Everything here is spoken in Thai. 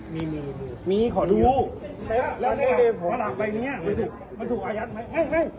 ไม่ได้ไงไม่ได้ไง